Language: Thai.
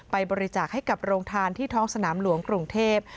ไปบริจาคให้กับโรงทานที่ท้องสนามหลวงกรุงเทพ